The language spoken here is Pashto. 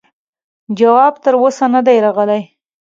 جواب تر اوسه نه دی راغلی.